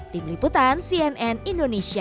tim liputan cnn indonesia